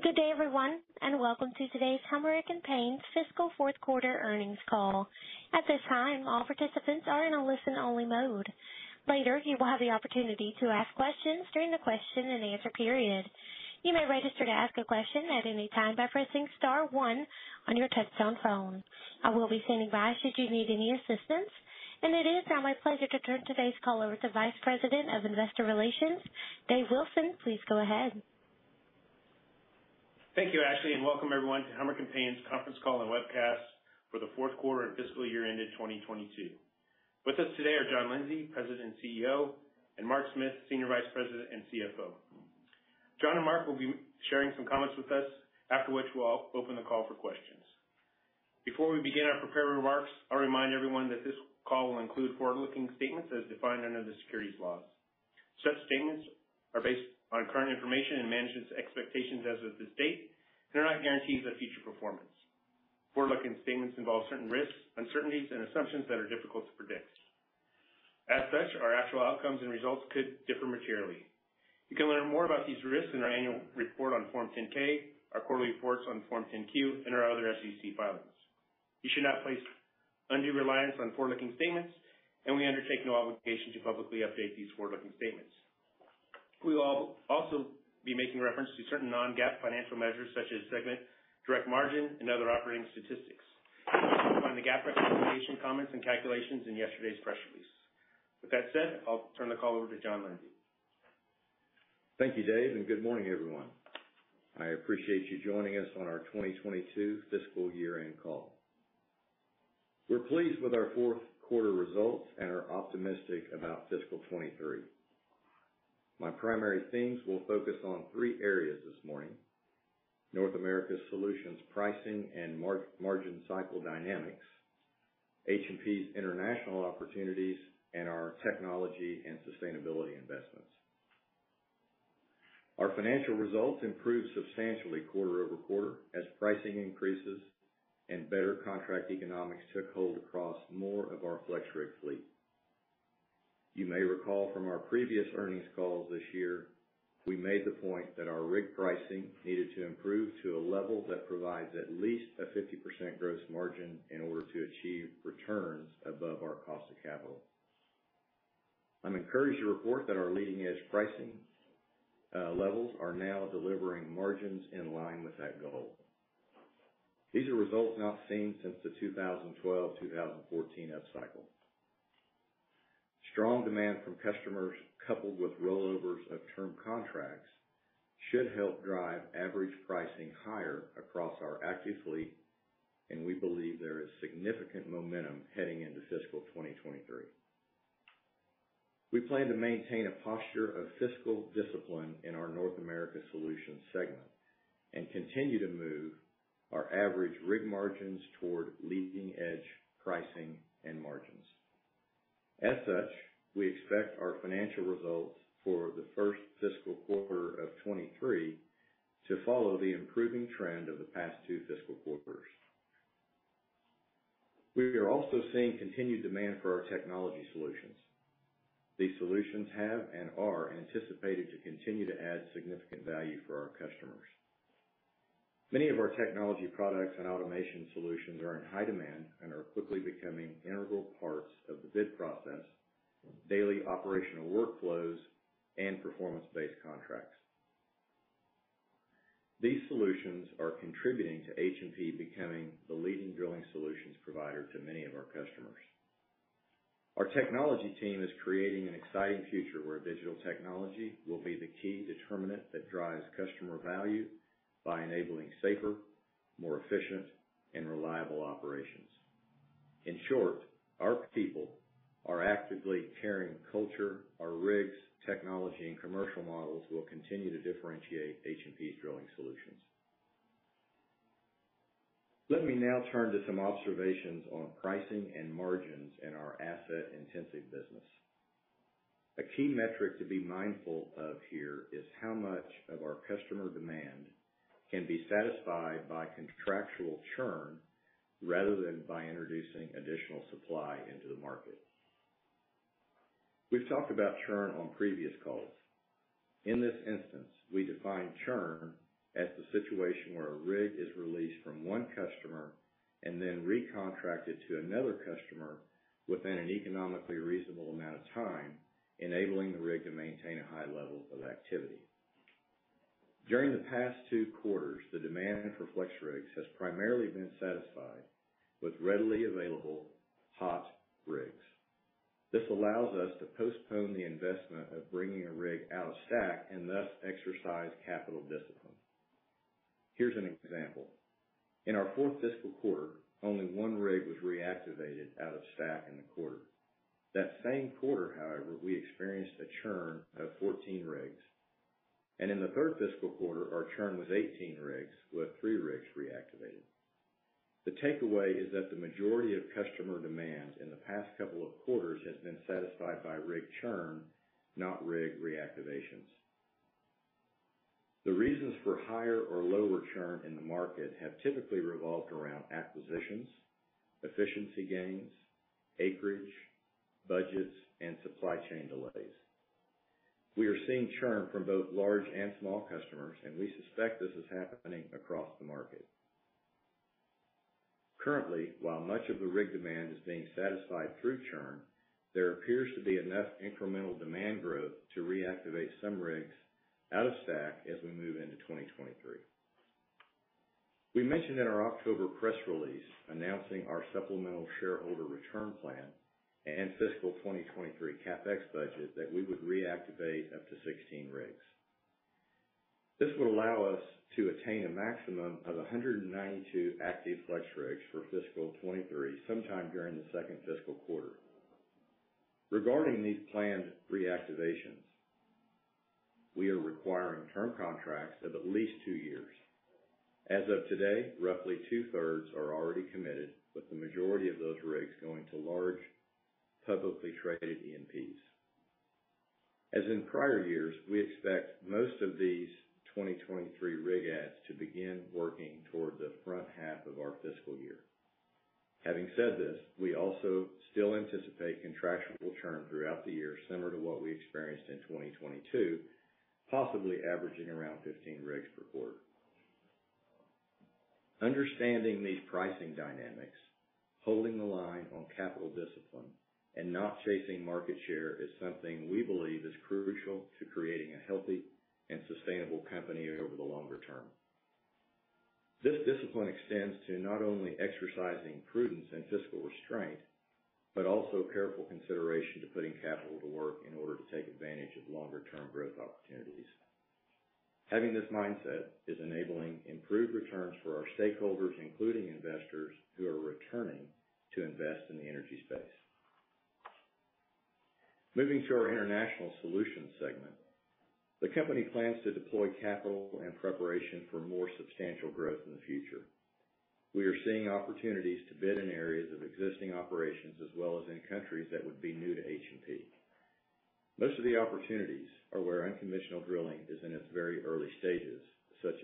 Good day, everyone, and welcome to today's Helmerich & Payne's fiscal fourth quarter earnings call. At this time, all participants are in a listen-only mode. Later, you will have the opportunity to ask questions during the question and answer period. You may register to ask a question at any time by pressing star one on your touch-tone phone. I will be standing by should you need any assistance, and it is now my pleasure to turn today's call over to Vice President of Investor Relations, Dave Wilson. Please go ahead. Thank you, Ashley, and welcome everyone to Helmerich & Payne's conference call and webcast for the fourth quarter of fiscal year ended 2022. With us today are John Lindsay, President and CEO, and Mark Smith, Senior Vice President and CFO. John and Mark will be sharing some comments with us, after which we'll open the call for questions. Before we begin our prepared remarks, I'll remind everyone that this call will include forward-looking statements as defined under the securities laws. Such statements are based on current information and management's expectations as of this date, and are not guarantees of future performance. Forward-looking statements involve certain risks, uncertainties, and assumptions that are difficult to predict. As such, our actual outcomes and results could differ materially. You can learn more about these risks in our annual report on Form 10-K, our quarterly reports on Form 10-Q, and our other SEC filings. You should not place undue reliance on forward-looking statements, and we undertake no obligation to publicly update these forward-looking statements. We will also be making reference to certain non-GAAP financial measures such as segment, direct margin, and other operating statistics. You can find the GAAP reconciliation comments and calculations in yesterday's press release. With that said, I'll turn the call over to John Lindsay. Thank you, Dave, and good morning, everyone. I appreciate you joining us on our 2022 fiscal year-end call. We're pleased with our fourth quarter results and are optimistic about fiscal 2023. My primary themes will focus on three areas this morning, North America Solutions pricing and margin cycle dynamics, H&P's international opportunities, and our technology and sustainability investments. Our financial results improved substantially quarter-over-quarter as pricing increases and better contract economics took hold across more of our FlexRig fleet. You may recall from our previous earnings calls this year, we made the point that our rig pricing needed to improve to a level that provides at least a 50% gross margin in order to achieve returns above our cost of capital. I'm encouraged to report that our leading-edge pricing levels are now delivering margins in line with that goal. These are results not seen since the 2012-2014 upcycle. Strong demand from customers, coupled with rollovers of term contracts, should help drive average pricing higher across our active fleet, and we believe there is significant momentum heading into fiscal 2023. We plan to maintain a posture of fiscal discipline in our North America Solutions segment and continue to move our average rig margins toward leading-edge pricing and margins. As such, we expect our financial results for the first fiscal quarter of 2023 to follow the improving trend of the past two fiscal quarters. We are also seeing continued demand for our technology solutions. These solutions have and are anticipated to continue to add significant value for our customers. Many of our technology products and automation solutions are in high demand and are quickly becoming integral parts of the bid process, daily operational workflows, and performance-based contracts. These solutions are contributing to H&P becoming the leading drilling solutions provider to many of our customers. Our technology team is creating an exciting future where digital technology will be the key determinant that drives customer value by enabling safer, more efficient, and reliable operations. In short, our people, our actively caring culture, our rigs, technology, and commercial models will continue to differentiate H&P's drilling solutions. Let me now turn to some observations on pricing and margins in our asset-intensive business. A key metric to be mindful of here is how much of our customer demand can be satisfied by contractual churn rather than by introducing additional supply into the market. We've talked about churn on previous calls. In this instance, we define churn as the situation where a rig is released from one customer and then recontracted to another customer within an economically reasonable amount of time, enabling the rig to maintain a high level of activity. During the past two quarters, the demand for FlexRigs has primarily been satisfied with readily available hot rigs. This allows us to postpone the investment of bringing a rig out of stack and thus exercise capital discipline. Here's an example. In our fourth fiscal quarter, only one rig was reactivated out of stack in the quarter. That same quarter, however, we experienced a churn of 14 rigs, and in the third fiscal quarter, our churn was 18 rigs, with three rigs reactivated. The takeaway is that the majority of customer demand in the past couple of quarters has been satisfied by rig churn, not rig reactivations. The reasons for higher or lower churn in the market have typically revolved around acquisitions, efficiency gains, acreage budgets, and supply chain delays. We are seeing churn from both large and small customers, and we suspect this is happening across the market. Currently, while much of the rig demand is being satisfied through churn, there appears to be enough incremental demand growth to reactivate some rigs out of stack as we move into 2023. We mentioned in our October press release announcing our supplemental shareholder return plan and fiscal 2023 CapEx budget that we would reactivate up to 16 rigs. This would allow us to attain a maximum of 192 active FlexRigs for fiscal 2023 sometime during the second fiscal quarter. Regarding these planned reactivations, we are requiring term contracts of at least two years. As of today, roughly 2/3 are already committed, with the majority of those rigs going to large, publicly traded E&Ps. As in prior years, we expect most of these 2023 rig adds to begin working toward the front half of our fiscal year. Having said this, we also still anticipate contractual churn throughout the year, similar to what we experienced in 2022, possibly averaging around 15 rigs per quarter. Understanding these pricing dynamics, holding the line on capital discipline and not chasing market share is something we believe is crucial to creating a healthy and sustainable company over the longer term. This discipline extends to not only exercising prudence and fiscal restraint, but also careful consideration to putting capital to work in order to take advantage of longer term growth opportunities. Having this mindset is enabling improved returns for our stakeholders, including investors who are returning to invest in the energy space. Moving to our International Solutions segment. The company plans to deploy capital in preparation for more substantial growth in the future. We are seeing opportunities to bid in areas of existing operations as well as in countries that would be new to H&P. Most of the opportunities are where unconventional drilling is in its very early stages, such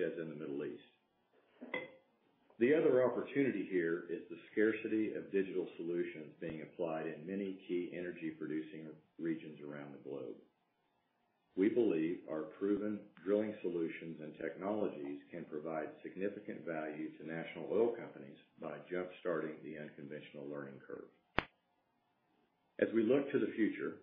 as in the Middle East. The other opportunity here is the scarcity of digital solutions being applied in many key energy producing regions around the globe. We believe our proven drilling solutions and technologies can provide significant value to national oil companies by jumpstarting the unconventional learning curve. As we look to the future,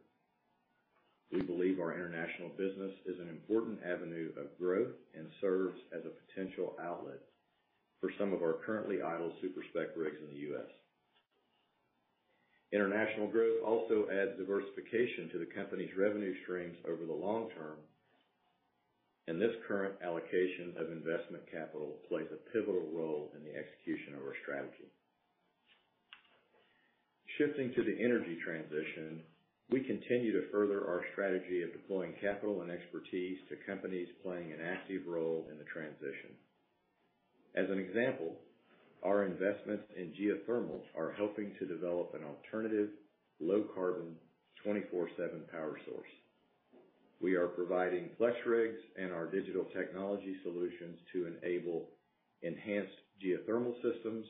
we believe our international business is an important avenue of growth and serves as a potential outlet for some of our currently idle super-spec rigs in the U.S. International growth also adds diversification to the company's revenue streams over the long term, and this current allocation of investment capital plays a pivotal role in the execution of our strategy. Shifting to the energy transition, we continue to further our strategy of deploying capital and expertise to companies playing an active role in the transition. As an example, our investments in geothermal are helping to develop an alternative low-carbon 24/7 power source. We are providing FlexRigs and our digital technology solutions to enable enhanced geothermal systems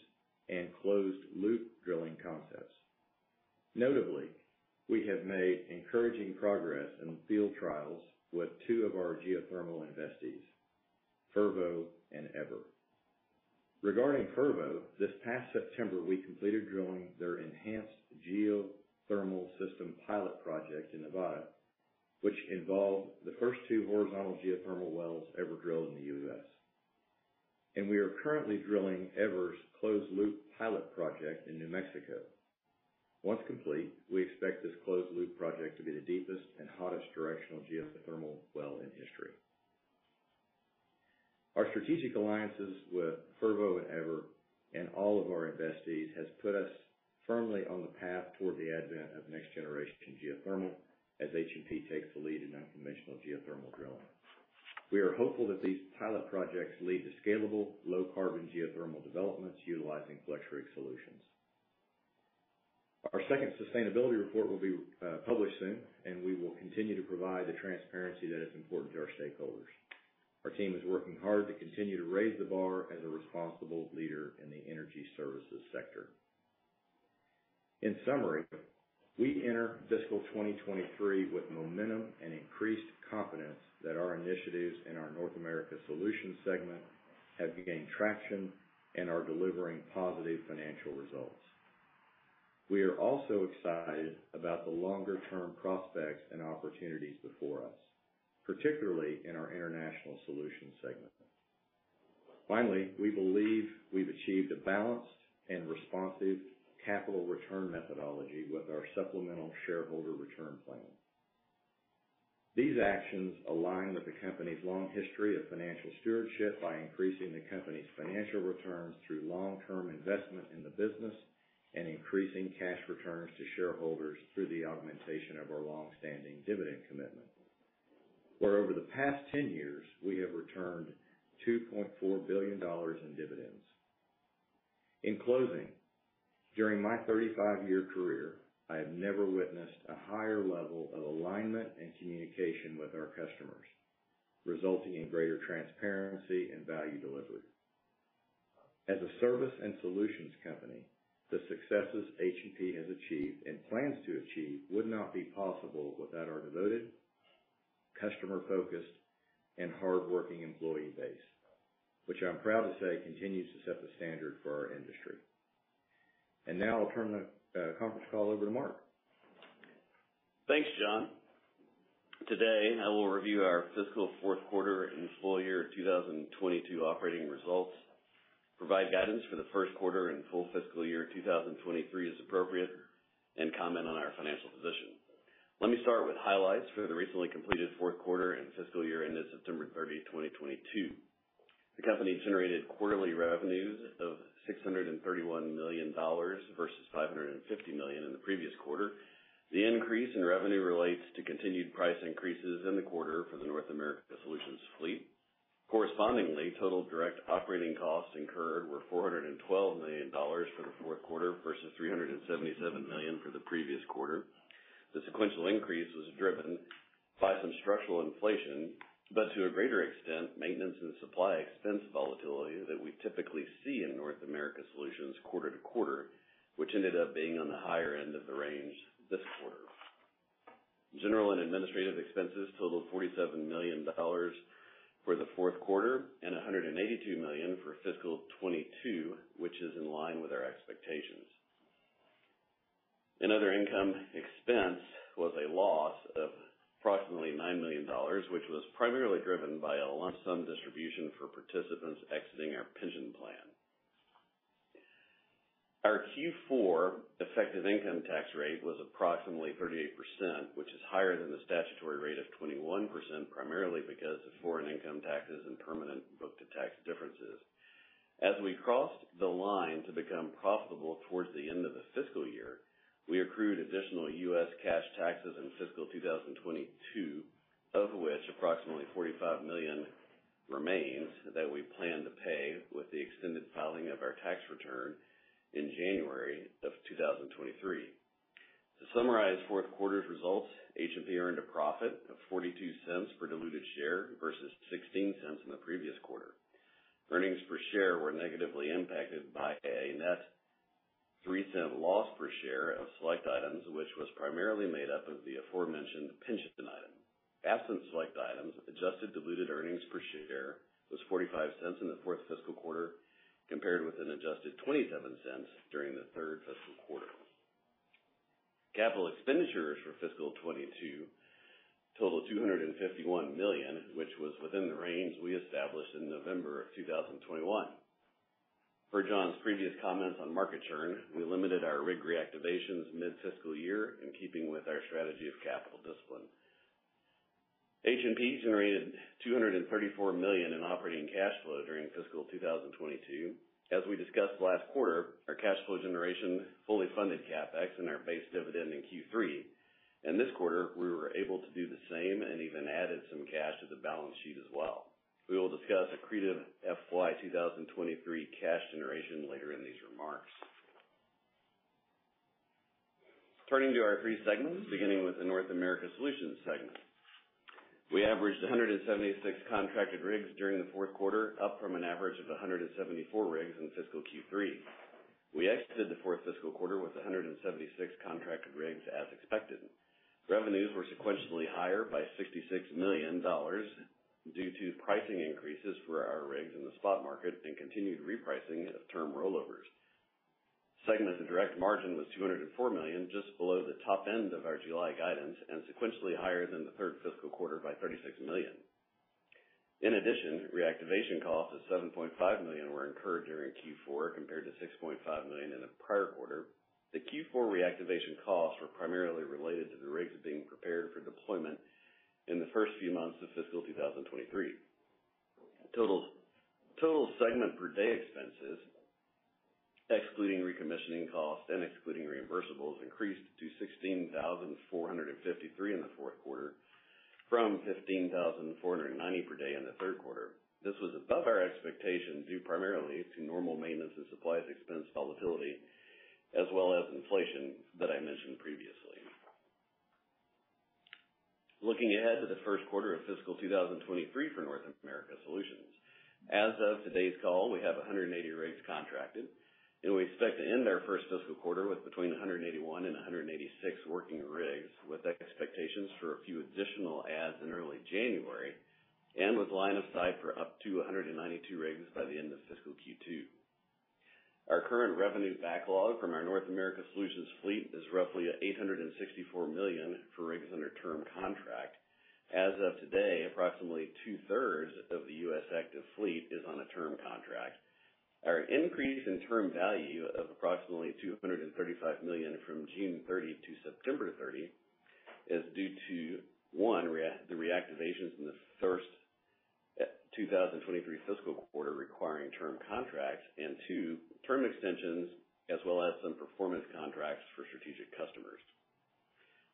and closed-loop drilling concepts. Notably, we have made encouraging progress in field trials with two of our geothermal investees, Fervo and Eavor. Regarding Fervo, this past September, we completed drilling their Enhanced Geothermal System pilot project in Nevada, which involved the first two horizontal geothermal wells ever drilled in the U.S. We are currently drilling Eavor's closed-loop pilot project in New Mexico. Once complete, we expect this closed-loop project to be the deepest and hottest directional geothermal well in history. Our strategic alliances with Fervo and Eavor and all of our investees has put us firmly on the path toward the advent of next-generation geothermal as H&P takes the lead in unconventional geothermal drilling. We are hopeful that these pilot projects lead to scalable low-carbon geothermal developments utilizing FlexRig solutions. Our second sustainability report will be published soon, and we will continue to provide the transparency that is important to our stakeholders. Our team is working hard to continue to raise the bar as a responsible leader in the energy services sector. In summary, we enter fiscal 2023 with momentum and increased confidence that our initiatives in our North America Solutions segment have gained traction and are delivering positive financial results. We are also excited about the longer-term prospects and opportunities before us, particularly in our International Solutions segment. Finally, we believe we've achieved a balanced and responsive capital return methodology with our supplemental shareholder return plan. These actions align with the company's long history of financial stewardship by increasing the company's financial returns through long-term investment in the business and increasing cash returns to shareholders through the augmentation of our longstanding dividend commitment, where over the past 10 years, we have returned $2.4 billion in dividends. In closing, during my 35-year career, I have never witnessed a higher level of alignment and communication with our customers, resulting in greater transparency and value delivery. As a service and solutions company, the successes H&P has achieved and plans to achieve would not be possible without our devoted, customer-focused, and hardworking employee base, which I'm proud to say continues to set the standard for our industry. Now I'll turn the conference call over to Mark. Thanks, John. Today, I will review our fiscal fourth quarter and full year 2022 operating results, provide guidance for the first quarter and full fiscal year 2023 as appropriate, and comment on our financial position. Let me start with highlights for the recently completed fourth quarter and fiscal year ended September 30, 2022. The company generated quarterly revenues of $631 million versus $550 million in the previous quarter. The increase in revenue relates to continued price increases in the quarter for the North America Solutions fleet. Correspondingly, total direct operating costs incurred were $412 million for the fourth quarter versus $377 million for the previous quarter. The sequential increase was driven by some structural inflation, but to a greater extent, maintenance and supply expense volatility that we typically see in North America Solutions quarter-to-quarter, which ended up being on the higher end of the range this quarter. General and administrative expenses totaled $47 million for the fourth quarter and $182 million for fiscal 2022, which is in line with our expectations. Other income expense was a loss of approximately $9 million, which was primarily driven by a lump sum distribution for participants exiting our pension plan. Our Q4 effective income tax rate was approximately 38%, which is higher than the statutory rate of 21%, primarily because of foreign income taxes and permanent book-to-tax differences. As we crossed the line to become profitable towards the end of the fiscal year, we accrued additional U.S. cash taxes in fiscal 2022, of which approximately $45 million remains that we plan to pay with the extended filing of our tax return in January of 2023. To summarize fourth quarter's results, H&P earned a profit of $0.42 per diluted share versus $0.16 in the previous quarter. Earnings per share were negatively impacted by a net $0.03 loss per share of select items, which was primarily made up of the aforementioned pension item. Absent select items, adjusted diluted earnings per share was $0.45 in the fourth fiscal quarter, compared with an adjusted $0.27 during the third fiscal quarter. Capital expenditures for fiscal 2022 totaled $251 million, which was within the range we established in November of 2021. Per John's previous comments on market churn, we limited our rig reactivations mid-fiscal year in keeping with our strategy of capital discipline. H&P generated $234 million in operating cash flow during fiscal 2022. As we discussed last quarter, our cash flow generation fully funded CapEx and our base dividend in Q3. In this quarter, we were able to do the same and even added some cash to the balance sheet as well. We will discuss accretive FY 2023 cash generation later in these remarks. Turning to our three segments, beginning with the North America Solutions segment. We averaged 176 contracted rigs during the fourth quarter, up from an average of 174 rigs in fiscal Q3. We exited the fourth fiscal quarter with 176 contracted rigs as expected. Revenues were sequentially higher by $66 million due to pricing increases for our rigs in the spot market and continued repricing of term rollovers. Segment operating direct margin was $204 million, just below the top end of our July guidance, and sequentially higher than the third fiscal quarter by $36 million. In addition, reactivation costs of $7.5 million were incurred during Q4, compared to $6.5 million in the prior quarter. The Q4 reactivation costs were primarily related to the rigs being prepared for deployment in the first few months of fiscal 2023. Total segment per day expenses, excluding recommissioning costs and excluding reimbursables, increased to $16,453 in the fourth quarter from $15,490 per day in the third quarter. This was above our expectations, due primarily to normal maintenance and supplies expense volatility, as well as inflation that I mentioned previously. Looking ahead to the first quarter of fiscal 2023 for North America Solutions. As of today's call, we have 180 rigs contracted, and we expect to end our first fiscal quarter with between 181 and 186 working rigs, with expectations for a few additional adds in early January, and with line of sight for up to 192 rigs by the end of fiscal Q2. Our current revenue backlog from our North America Solutions fleet is roughly at $864 million for rigs under term contract. As of today, approximately 2/3 of the U.S. active fleet is on a term contract. Our increase in term value of approximately $235 million from June 30 to September 30 is due to, one, the reactivations in the first 2023 fiscal quarter requiring term contracts, and two, term extensions as well as some performance contracts for strategic customers.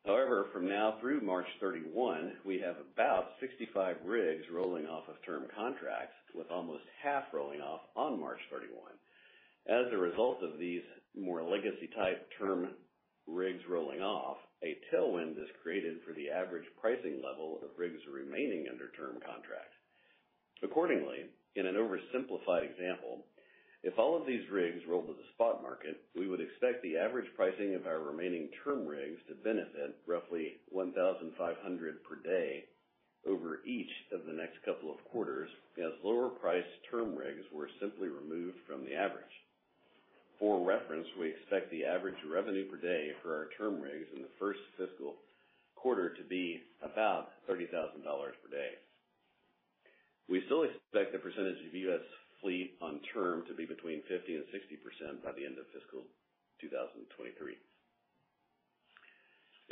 However, from now through March 31, we have about 65 rigs rolling off of term contracts, with almost half rolling off on March 31. As a result of these more legacy-type term rigs rolling off, a tailwind is created for the average pricing level of rigs remaining under term contract. Accordingly, in an oversimplified example, if all of these rigs rolled to the spot market, we would expect the average pricing of our remaining term rigs to benefit roughly $1,500 per day over each of the next couple of quarters as lower priced term rigs were simply removed from the average. For reference, we expect the average revenue per day for our term rigs in the first fiscal quarter to be about $30,000 per day. We still expect the percentage of U.S. fleet on term to be between 50% and 60% by the end of fiscal 2023.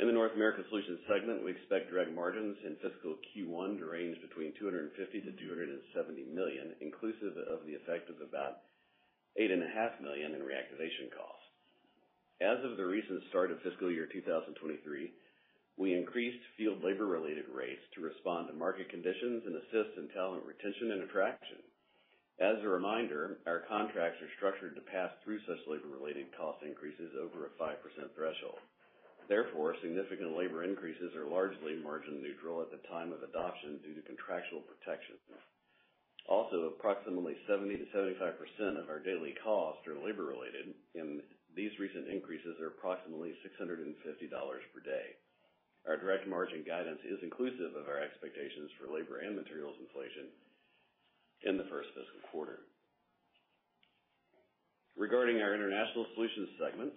In the North America Solutions segment, we expect direct margins in fiscal Q1 to range between $250 million-$270 million, inclusive of the effect of about $8 and a half million in reactivation costs. As of the recent start of fiscal year 2023, we increased field labor-related rates to respond to market conditions and assist in talent retention and attraction. As a reminder, our contracts are structured to pass through such labor-related cost increases over a 5% threshold. Therefore, significant labor increases are largely margin-neutral at the time of adoption due to contractual protections. Also, approximately 70%-75% of our daily costs are labor-related, and these recent increases are approximately $650 per day. Our direct margin guidance is inclusive of our expectations for labor and materials inflation in the first fiscal quarter. Regarding our International Solutions segment,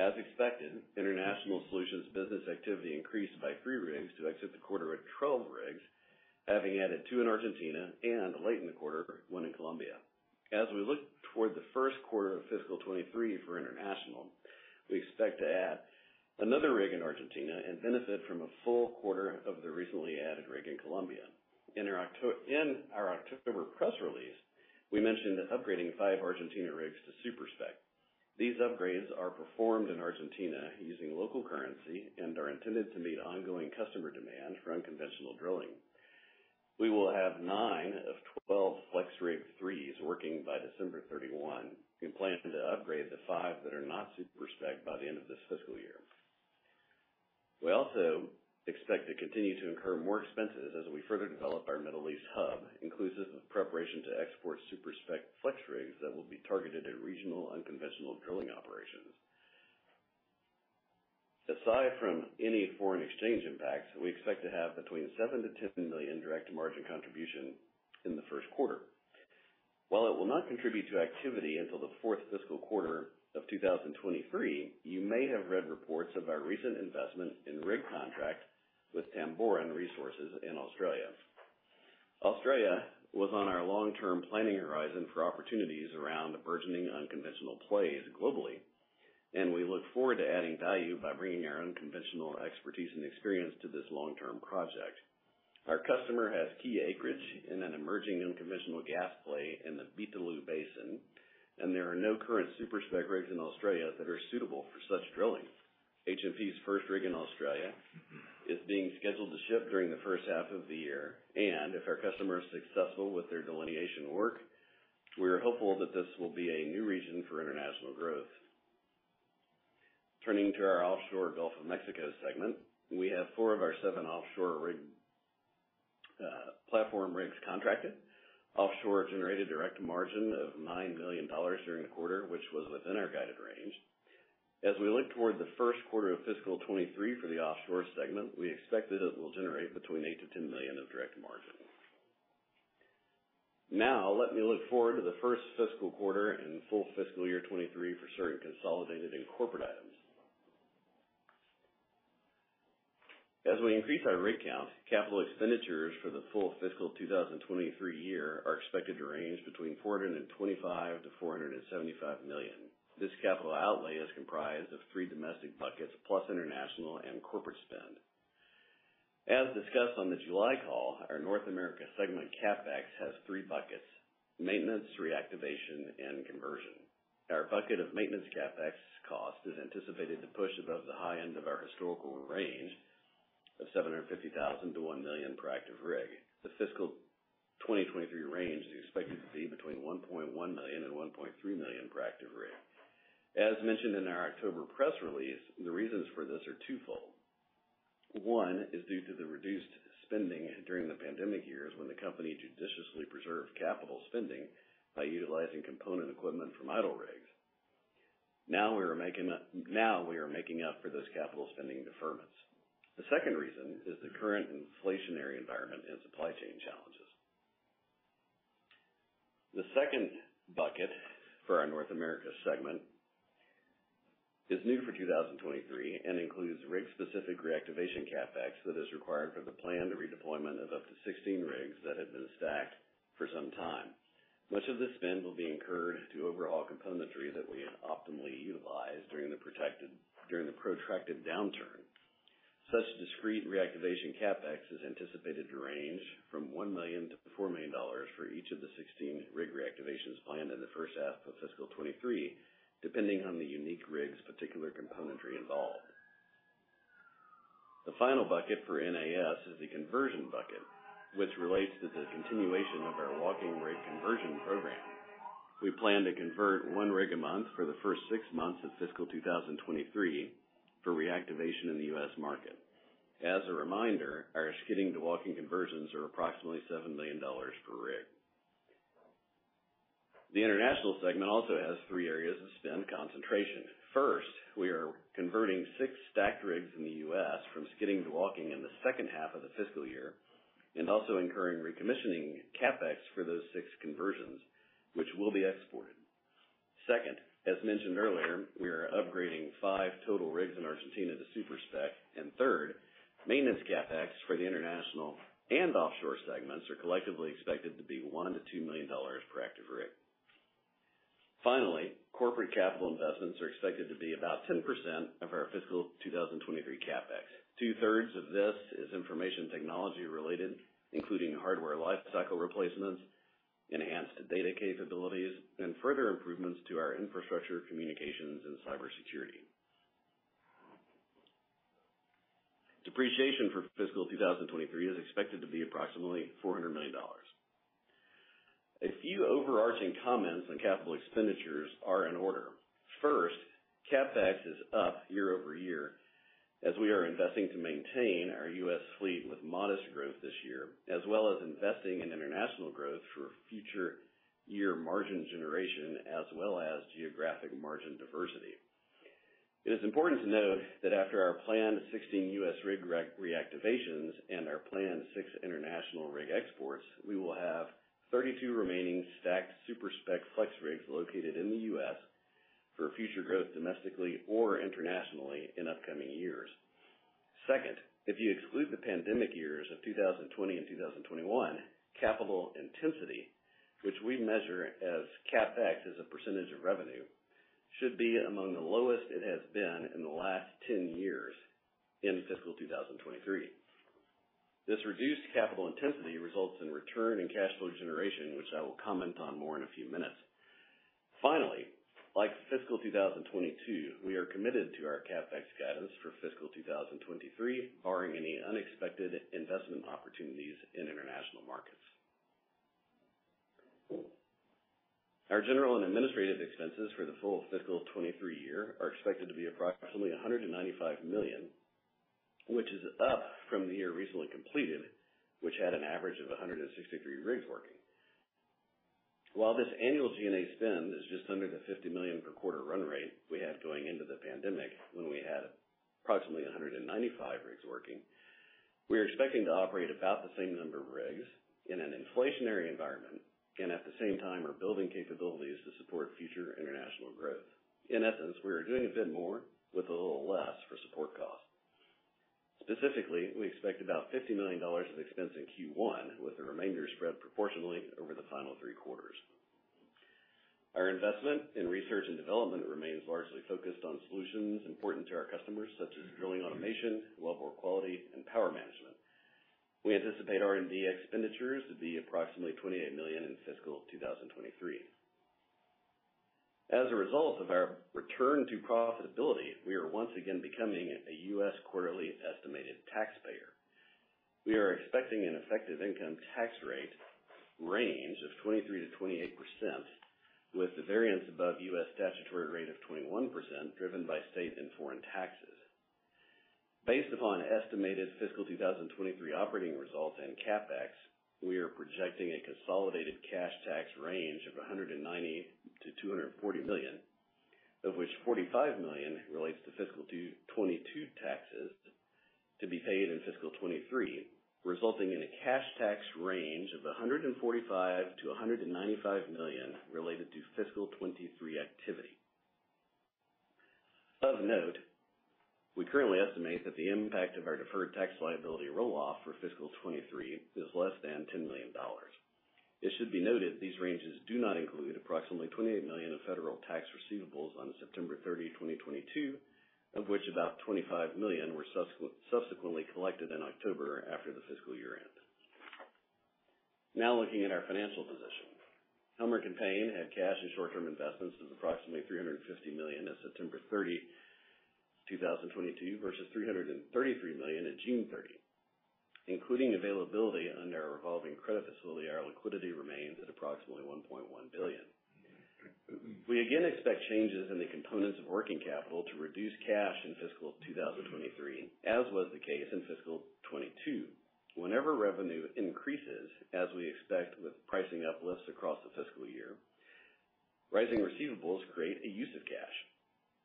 as expected, International Solutions business activity increased by three rigs to exit the quarter at 12 rigs, having added two in Argentina and, late in the quarter, one in Colombia. As we look toward the first quarter of fiscal 2023 for International, we expect to add another rig in Argentina and benefit from a full quarter of the recently added rig in Colombia. In our October press release, we mentioned upgrading five Argentina rigs to super-spec. These upgrades are performed in Argentina using local currency and are intended to meet ongoing customer demand for unconventional drilling. We will have nine of 12 FlexRig3s working by December 31. We plan to upgrade the five that are not super-spec by the end of this fiscal year. We also expect to continue to incur more expenses as we further develop our Middle East hub inclusive of preparation to export super-spec FlexRigs that will be targeted at regional unconventional drilling operations. Aside from any foreign exchange impacts, we expect to have between $7 million-$10 million direct margin contribution in the first quarter. While it will not contribute to activity until the fourth fiscal quarter of 2023, you may have read reports of our recent investment in rig contract with Tamboran Resources in Australia. Australia was on our long-term planning horizon for opportunities around the burgeoning unconventional plays globally, and we look forward to adding value by bringing our unconventional expertise and experience to this long-term project. Our customer has key acreage in an emerging unconventional gas play in the Beetaloo Basin, and there are no current super-spec rigs in Australia that are suitable for such drilling. H&P's first rig in Australia is being scheduled to ship during the first half of the year. If our customer is successful with their delineation work, we are hopeful that this will be a new region for international growth. Turning to our offshore Gulf of Mexico segment, we have four of our seven offshore platform rigs contracted. Offshore generated direct margin of $9 million during the quarter, which was within our guided range. As we look toward the first quarter of fiscal 2023 for the offshore segment, we expect it will generate between $8 million-$10 million of direct margin. Now let me look forward to the first fiscal quarter and full fiscal year 2023 for certain consolidated and corporate items. As we increase our rig count, capital expenditures for the full fiscal 2023 year are expected to range between $425 million-$475 million. This capital outlay is comprised of three domestic buckets plus international and corporate spend. As discussed on the July call, our North America segment CapEx has three buckets, maintenance, reactivation, and conversion. Our bucket of maintenance CapEx cost is anticipated to push above the high end of our historical range of $750,000-$1 million per active rig. The fiscal 2023 range is expected to be between $1.1 million and $1.3 million per active rig. As mentioned in our October press release, the reasons for this are twofold. One is due to the reduced spending during the pandemic years when the company judiciously preserved capital spending by utilizing component equipment from idle rigs. Now we are making up for this capital spending deferments. The second reason is the current inflationary environment and supply chain challenges. The second bucket for our North America segment is new for 2023 and includes rig-specific reactivation CapEx that is required for the planned redeployment of up to 16 rigs that have been stacked for some time. Much of this spend will be incurred to overhaul componentry that we optimally utilized during the protracted downturn. Such discrete reactivation CapEx is anticipated to range from $1 million-$4 million for each of the 16 rig reactivations planned in the first half of fiscal 2023, depending on the unique rig's particular componentry involved. The final bucket for NAS is the conversion bucket, which relates to the continuation of our walking rig conversion program. We plan to convert one rig a month for the first six months of fiscal 2023 for reactivation in the U.S. market. As a reminder, our skidding to walking conversions are approximately $7 million per rig. The international segment also has three areas of spend concentration. First, we are converting six stacked rigs in the U.S. from skidding to walking in the second half of the fiscal year and also incurring recommissioning CapEx for those six conversions, which will be exported. Second, as mentioned earlier, we are upgrading five total rigs in Argentina to super-spec. Third, maintenance CapEx for the international and offshore segments are collectively expected to be $1 million-$2 million per active rig. Finally, corporate capital investments are expected to be about 10% of our fiscal 2023 CapEx. Two-thirds of this is information technology related, including hardware lifecycle replacements, enhanced data capabilities, and further improvements to our infrastructure, communications, and cybersecurity. Depreciation for fiscal 2023 is expected to be approximately $400 million. A few overarching comments on capital expenditures are in order. First, CapEx is up year-over-year as we are investing to maintain our U.S. fleet with modest growth this year, as well as investing in international growth for future year margin generation as well as geographic margin diversity. It is important to note that after our planned 16 U.S. rig re-reactivations and our planned six international rig exports, we will have 32 remaining stacked super-spec FlexRigs located in the U.S. for future growth domestically or internationally in upcoming years. Second, if you exclude the pandemic years of 2020 and 2021, capital intensity, which we measure as CapEx as a percentage of revenue, should be among the lowest it has been in the last 10 years in fiscal 2023. This reduced capital intensity results in return and cash flow generation, which I will comment on more in a few minutes. Finally, like fiscal 2022, we are committed to our CapEx guidance for fiscal 2023, barring any unexpected investment opportunities in international markets. Our general and administrative expenses for the full fiscal 2023 year are expected to be approximately $195 million, which is up from the year recently completed, which had an average of 163 rigs working. While this annual G&A spend is just under the $50 million per quarter run rate we had going into the pandemic, when we had approximately 195 rigs working, we are expecting to operate about the same number of rigs in an inflationary environment and at the same time are building capabilities to support future international growth. In essence, we are doing a bit more with a little less for support costs. Specifically, we expect about $50 million of expense in Q1 with the remainder spread proportionally over the final three quarters. Our investment in research and development remains largely focused on solutions important to our customers such as drilling automation, wellbore quality and power management. We anticipate R&D expenditures to be approximately $28 million in fiscal 2023. As a result of our return to profitability, we are once again becoming a U.S. quarterly estimated taxpayer. We are expecting an effective income tax rate range of 23%-28%, with the variance above U.S. statutory rate of 21% driven by state and foreign taxes. Based upon estimated fiscal 2023 operating results and CapEx, we are projecting a consolidated cash tax range of $190 million-$240 million, of which $45 million relates to fiscal 2022 taxes to be paid in fiscal 2023, resulting in a cash tax range of $145 million-$195 million related to fiscal 2023 activity. Of note, we currently estimate that the impact of our deferred tax liability roll-off for fiscal 2023 is less than $10 million. It should be noted these ranges do not include approximately $28 million of federal tax receivables on September 30, 2022, of which about $25 million were subsequently collected in October after the fiscal year-end. Now looking at our financial position. Helmerich & Payne had cash and short-term investments of approximately $350 million at September 30, 2022 versus $333 million at June 30. Including availability under our revolving credit facility, our liquidity remains at approximately $1.1 billion. We again expect changes in the components of working capital to reduce cash in fiscal 2023, as was the case in fiscal 2022. Whenever revenue increases, as we expect with pricing uplifts across the fiscal year, rising receivables create a use of cash.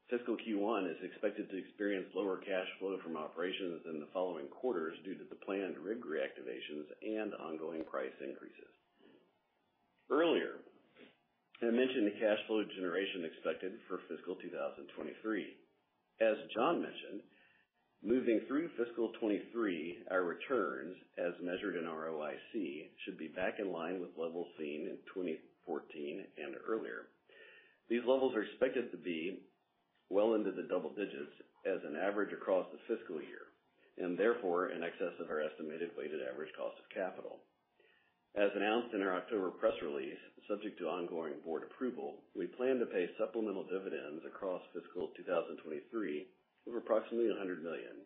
Fiscal Q1 is expected to experience lower cash flow from operations in the following quarters due to the planned rig reactivations and ongoing price increases. Earlier, I mentioned the cash flow generation expected for fiscal 2023. As John mentioned, moving through fiscal 2023, our returns as measured in ROIC, should be back in line with levels seen in 2014 and earlier. These levels are expected to be well into the double digits as an average across the fiscal year and therefore in excess of our estimated weighted average cost of capital. As announced in our October press release, subject to ongoing board approval, we plan to pay supplemental dividends across fiscal 2023 of approximately $100 million,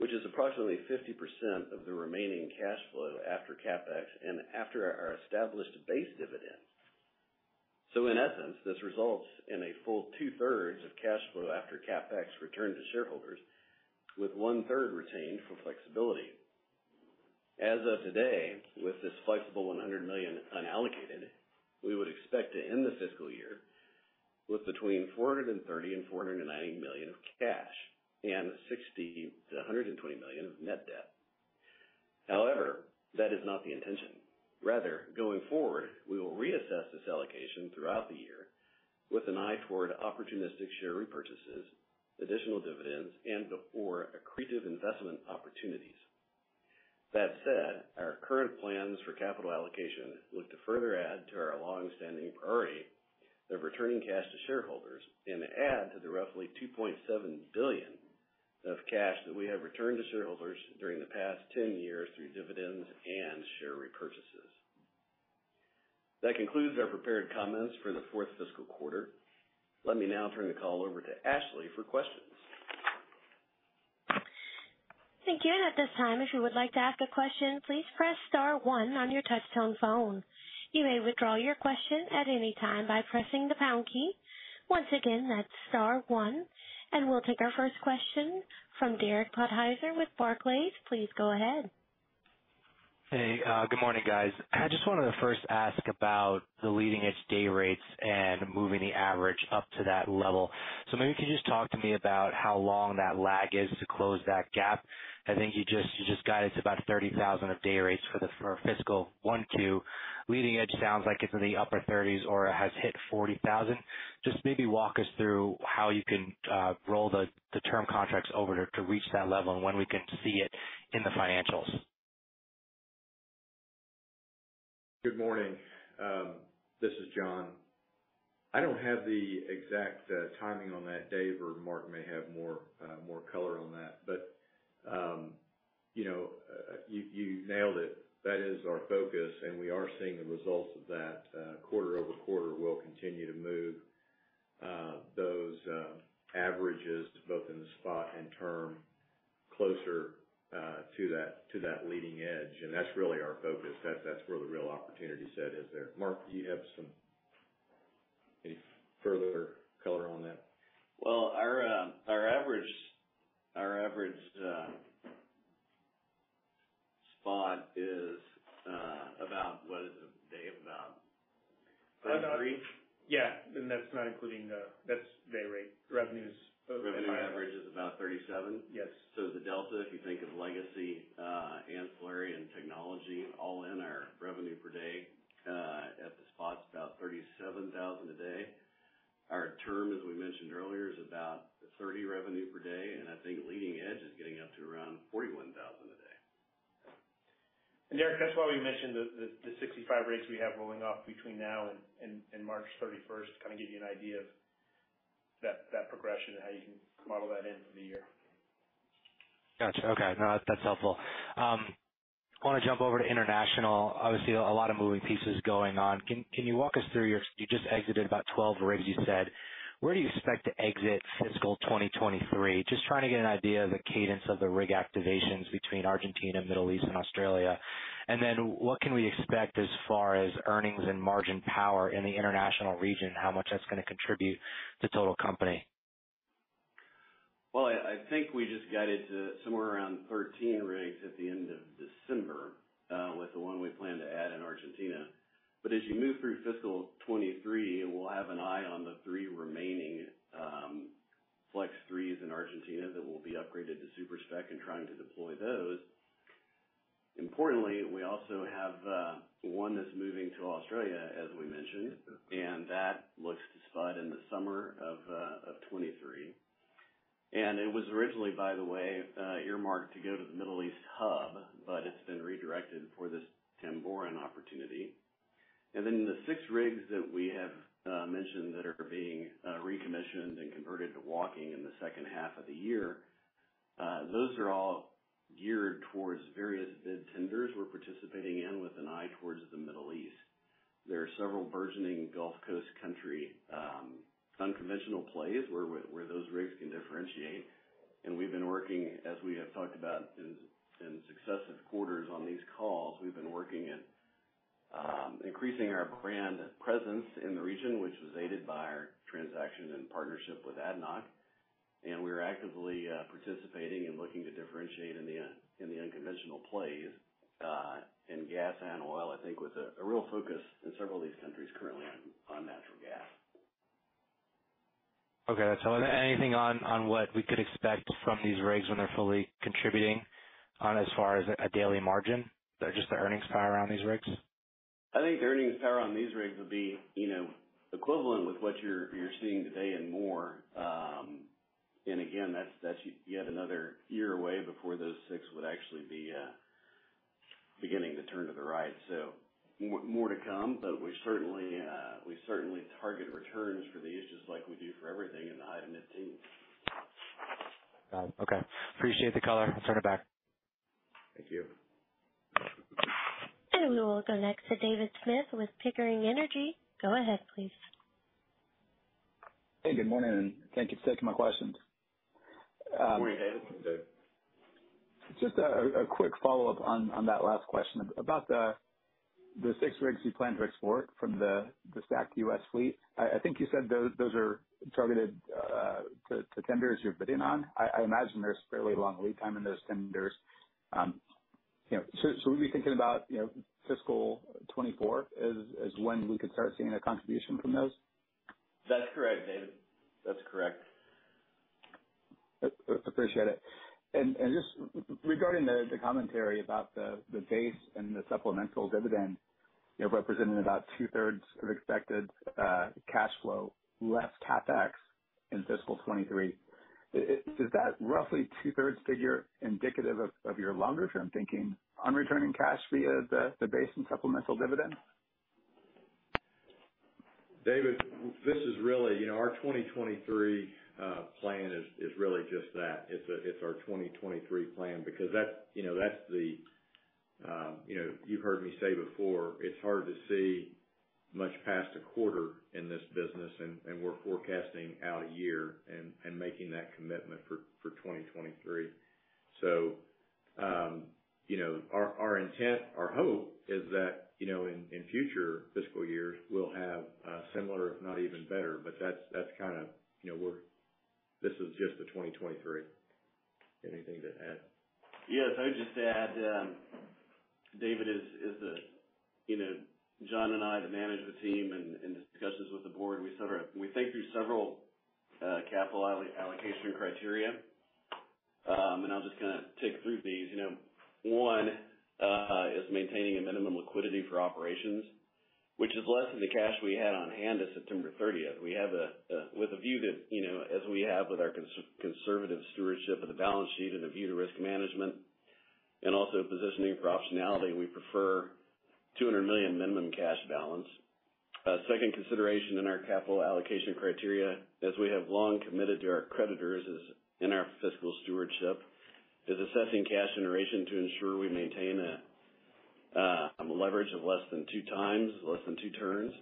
which is approximately 50% of the remaining cash flow after CapEx and after our established base dividend. In essence, this results in a full 2/3 of cash flow after CapEx returned to shareholders with 1/3 retained for flexibility. As of today, with this flexible $100 million unallocated, we would expect to end the fiscal year with between $430 million and $490 million of cash and $60 million-$120 million of net debt. However, that is not the intention. Rather, going forward, we will reassess this allocation throughout the year with an eye toward opportunistic share repurchases, additional dividends, and further accretive investment opportunities. That said, our current plans for capital allocation look to further add to our longstanding priority of returning cash to shareholders and add to the roughly $2.7 billion of cash that we have returned to shareholders during the past 10 years through dividends and share repurchases. That concludes our prepared comments for the fourth fiscal quarter. Let me now turn the call over to Ashley for questions. Thank you. At this time, if you would like to ask a question, please press star one on your touch-tone phone. You may withdraw your question at any time by pressing the pound key. Once again, that's star one. We'll take our first question from Derek Podhaizer with Barclays. Please go ahead. Hey, good morning, guys. I just wanted to first ask about the leading-edge day rates and moving the average up to that level. Maybe you could just talk to me about how long that lag is to close that gap. I think you just guided to about $30,000 of day rates for fiscal 1 2. Leading edge sounds like it's in the upper 30s or has hit $40,000. Just maybe walk us through how you can roll the term contracts over to reach that level and when we can see it in the financials. Good morning. This is John. I don't have the exact timing on that. Dave or Mark may have more color on that. You know, you nailed it. That is our focus, and we are seeing the results of that. Quarter-over-quarter, we'll continue to move those averages both in the spot and term closer to that leading edge. That's really our focus. That's where the real opportunity set is there. Mark, do you have any further color on that? Well, our average spot is, what is it, Dave? About $33? Yeah. That's dayrate. Revenue's a little bit higher. Revenue average is about $37. Yes. The delta, if you think of legacy, ancillary and technology all in our revenue per day, at the spot's about $37 thousand a day. Our term, as we mentioned earlier, is about $30 revenue per day, and I think leading edge is getting up to around $41 thousand a day. Derek, that's why we mentioned the 65 rigs we have rolling off between now and March 31st to kind of give you an idea of that progression and how you can model that in for the year. Gotcha. Okay. No, that's helpful. I wanna jump over to international. Obviously a lot of moving pieces going on. You just exited about 12 rigs you said. Where do you expect to exit fiscal 2023? Just trying to get an idea of the cadence of the rig activations between Argentina, Middle East and Australia. What can we expect as far as earnings and margin power in the international region? How much that's gonna contribute to total company? Well, I think we just guided to somewhere around 13 rigs at the end of December with the one we plan to add in Argentina. As you move through fiscal 2023, we'll have an eye on the three remaining Flex 3s in Argentina that will be upgraded to super-spec and trying to deploy those. Importantly, we also have one that's moving to Australia, as we mentioned, and that looks to spud in the summer of 2023. It was originally, by the way, earmarked to go to the Middle East hub, but it's been redirected for this Tamboran opportunity. The six rigs that we have mentioned that are being recommissioned and converted to walking in the second half of the year, those are all geared towards various bid tenders we're participating in with an eye towards the Middle East. There are several burgeoning Gulf Coast country unconventional plays where those rigs can differentiate. We've been working, as we have talked about in successive quarters on these calls, we've been working in increasing our brand presence in the region, which was aided by our transaction and partnership with ADNOC. We're actively participating and looking to differentiate in the unconventional plays in gas and oil, I think with a real focus in several of these countries currently on natural gas. Anything on what we could expect from these rigs when they're fully contributing as far as a daily margin? Just the earnings power on these rigs? I think the earnings power on these rigs would be, you know, equivalent with what you're seeing today and more. Again, that's yet another year away before those six would actually be beginning to turn to the right. More to come, but we certainly target returns for these just like we do for everything in the high teens. Got it. Okay. Appreciate the color. I'll turn it back. Thank you. We will go next to David Smith with Pickering Energy. Go ahead, please. Hey, good morning, and thank you for taking my questions. Good morning, David. Just a quick follow-up on that last question about the six rigs you plan to export from the STACK U.S. fleet. I think you said those are targeted to tenders you're bidding on. I imagine there's fairly long lead time in those tenders. You know, should we be thinking about, you know, fiscal 2024 as when we could start seeing a contribution from those? That's correct, David. That's correct. Appreciate it. Just regarding the commentary about the base and the supplemental dividend, you know, representing about two-thirds of expected cash flow, less CapEx in fiscal 2023, is that roughly two-thirds figure indicative of your longer-term thinking on returning cash via the base and supplemental dividend? David, this is really, you know, our 2023 plan is really just that. It's our 2023 plan because that's, you know, you've heard me say before, it's hard to see much past a quarter in this business, and we're forecasting out a year and making that commitment for 2023. You know, our intent, our hope is that, you know, in future fiscal years, we'll have similar, if not even better. That's kind of, you know, this is just the 2023. Anything to add? Yes. I would just add, David, you know, John and I, the management team and the discussions with the board, we sort of think through several capital allocation criteria. I'll just kind of tick through these. You know, 1 is maintaining a minimum liquidity for operations, which is less than the cash we had on hand as September 30th. With a view that, you know, as we have with our conservative stewardship of the balance sheet and a view to risk management and also positioning for optionality, we prefer $200 million minimum cash balance. Second consideration in our capital allocation criteria, as we have long committed to our creditors, is in our fiscal stewardship, is assessing cash generation to ensure we maintain a leverage of less than 2x, less than 2 turns.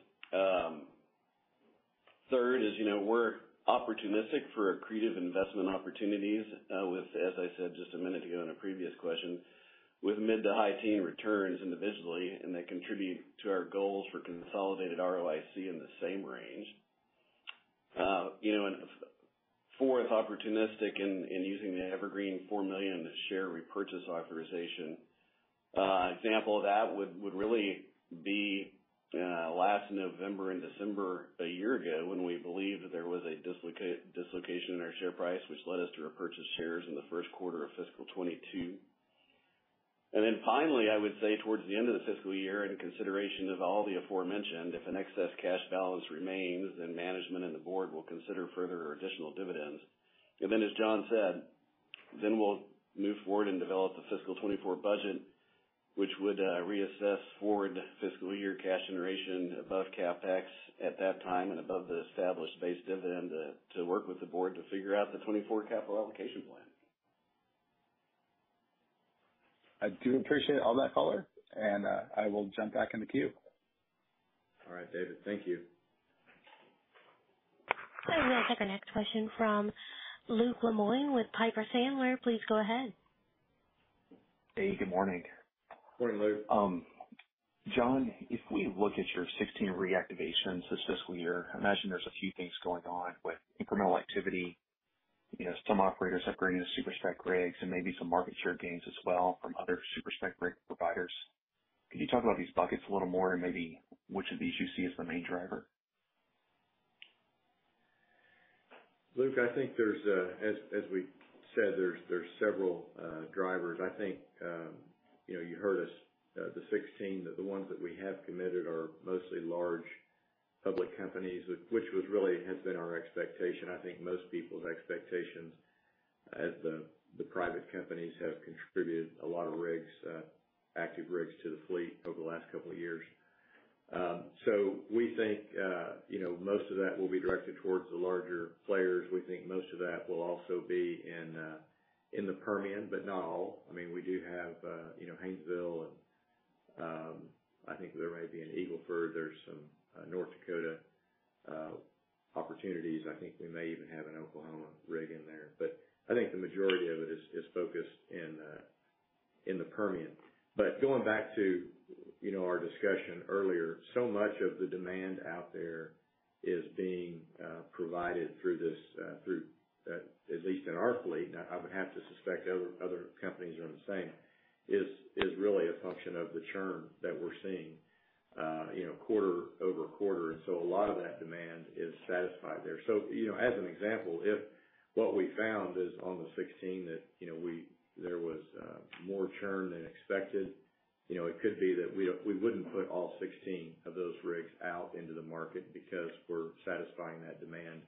Third is, you know, we're opportunistic for accretive investment opportunities with, as I said just a minute ago in a previous question, with mid to high teen returns individually, and they contribute to our goals for consolidated ROIC in the same range. You know, Fourth, opportunistic in using the Evergreen 4 million share repurchase authorization. An example of that would really be last November and December a year ago when we believed that there was a dislocation in our share price, which led us to repurchase shares in the first quarter of fiscal 2022. Finally, I would say towards the end of the fiscal year, in consideration of all the aforementioned, if an excess cash balance remains, then management and the Board will consider further additional dividends. As John said, then we'll move forward and develop the fiscal 2024 budget, which would reassess forward fiscal year cash generation above CapEx at that time and above the established base dividend to work with the Board to figure out the 2024 capital allocation plan. I do appreciate all that color, and I will jump back in the queue. All right, David. Thank you. I will take our next question from Luke Lemoine with Piper Sandler. Please go ahead. Hey, good morning. Morning, Luke. John, if we look at your 16 reactivations this fiscal year, I imagine there's a few things going on with incremental activity. You know, some operators upgrading to super-spec rigs and maybe some market share gains as well from other super-spec rig providers. Can you talk about these buckets a little more and maybe which of these you see as the main driver? Luke, I think there's, as we said, there's several drivers. I think, you know, you heard us, 16, the ones that we have committed are mostly large public companies, which really has been our expectation, I think most people's expectations, as the private companies have contributed a lot of active rigs to the fleet over the last couple of years. We think, you know, most of that will be directed towards the larger players. We think most of that will also be in the Permian, but not all. I mean, we do have, you know, Haynesville and, I think there might be an Eagle Ford. There's some North Dakota opportunities. I think we may even have an Oklahoma rig in there, but I think the majority of it is focused in the Permian. Going back to, you know, our discussion earlier, so much of the demand out there is being provided through this, at least in our fleet, I would have to suspect other companies are the same, is really a function of the churn that we're seeing, you know, quarter-over-quarter. A lot of that demand is satisfied there. You know, as an example, if what we found is on the 16 that, you know, there was more churn than expected, you know, it could be that we wouldn't put all 16 of those rigs out into the market because we're satisfying that demand,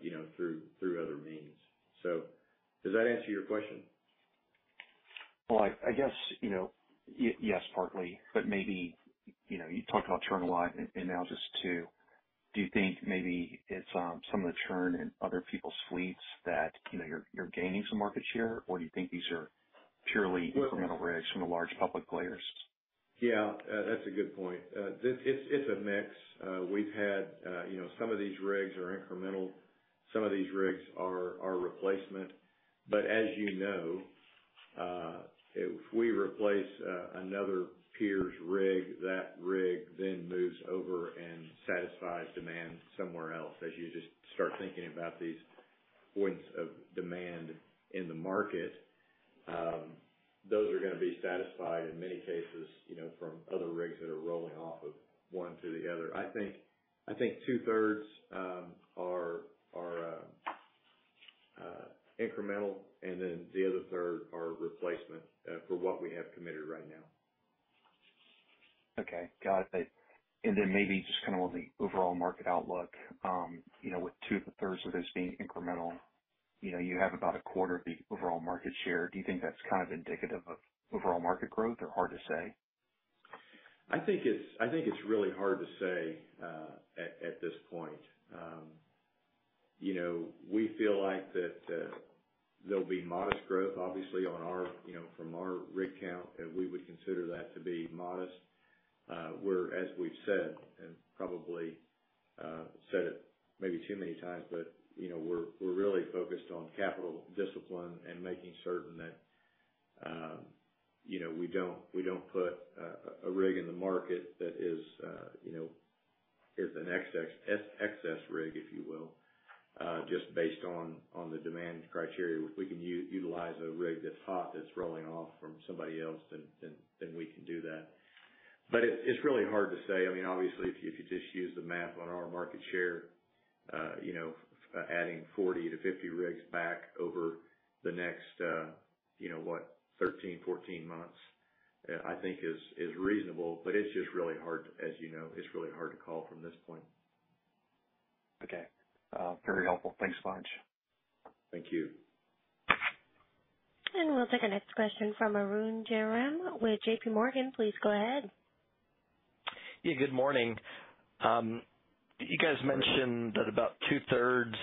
you know, through other means. Does that answer your question? Well, I guess, you know, yes, partly, but maybe, you know, you talked about churn a lot and analysis too. Do you think maybe it's some of the churn in other people's fleets that, you know, you're gaining some market share? Do you think these are purely incremental rigs from the large public players? Yeah. That's a good point. It's a mix. We've had, you know, some of these rigs are incremental, some of these rigs are replacement. As you know, if we replace another peer's rig, that rig then moves over and satisfies demand somewhere else. As you just start thinking about these points of demand in the market, those are gonna be satisfied in many cases, you know, from other rigs that are rolling off of one to the other. I think 2/3 are incremental, and then the other 1/3 are replacement for what we have committed right now. Okay. Got it. Maybe just kinda on the overall market outlook, you know, with 2/3 of those being incremental, you know, you have about 1/4 of the overall market share. Do you think that's kind of indicative of overall market growth, or hard to say? I think it's really hard to say at this point. You know, we feel like that there'll be modest growth, obviously, you know, from our rig count, and we would consider that to be modest. As we've said, and probably said it maybe too many times, but, you know, we're really focused on capital discipline and making certain that, you know, we don't put a rig in the market that, you know, is an excess rig, if you will, just based on the demand criteria. If we can utilize a rig that's hot, that's rolling off from somebody else, then we can do that. It's really hard to say. I mean, obviously, if you just use the math on our market share, you know, adding 40-50 rigs back over the next, you know what, 13-14 months, I think is reasonable, but it's just really hard. As you know, it's really hard to call from this point. Okay. Very helpful. Thanks a bunch. Thank you. We'll take our next question from Arun Jayaram with JP Morgan. Please go ahead. Yeah, good morning. You guys mentioned that about two-thirds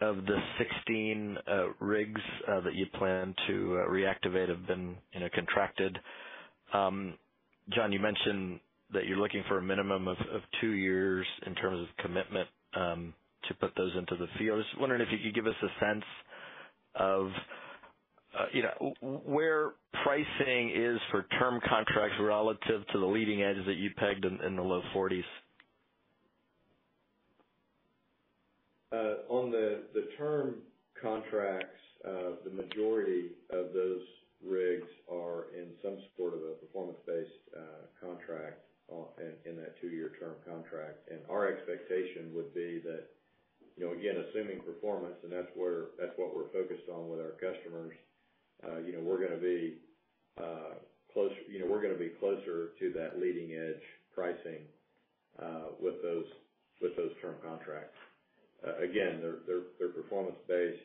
of the 16 rigs that you plan to reactivate have been contracted. John, you mentioned that you're looking for a minimum of two years in terms of commitment to put those into the field. Just wondering if you could give us a sense of, you know, where pricing is for term contracts relative to the leading edge that you pegged in the low $40s. On the term contracts, the majority of those rigs are in some sort of a performance-based contract in that 2-year term contract. Our expectation would be that, you know, again, assuming performance, that's what we're focused on with our customers. You know, we're gonna be closer to that leading edge pricing with those term contracts. Again, they're performance-based.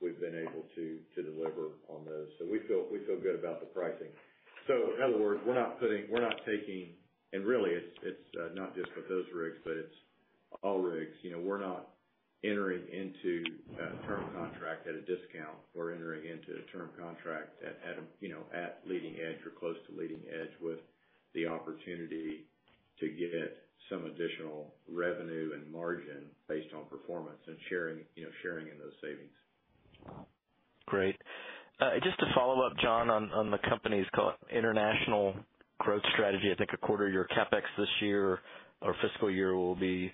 We've been able to deliver on those. We feel good about the pricing. In other words, really, it's not just with those rigs, but it's all rigs. You know, we're not entering into a term contract at a discount. We're entering into a term contract at, you know, leading edge or close to leading edge, with the opportunity to get some additional revenue and margin based on performance and sharing, you know, in those savings. Great. Just to follow up, John, on the company's international growth strategy. I think a quarter of your CapEx this year or fiscal year will be,